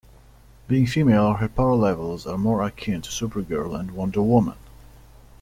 Being female, her power levels are more akin to Supergirl and Wonder Woman.